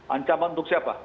ancaman untuk siapa